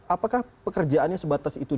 apakah pekerjaannya sebatas itu